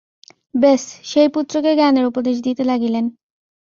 ব্যাস সেই পুত্রকে জ্ঞানের উপদেশ দিতে লাগিলেন।